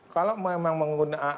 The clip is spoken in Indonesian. kalau memang menggunakan